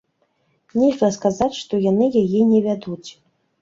Нельга сказаць, што яны яе не вядуць.